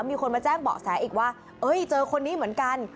มีคนมาแจ้งเบาะแสอีกว่าเอ้ยเจอคนนี้เหมือนกัน